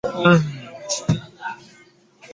当时他的老师为林立三以及罗冠兰。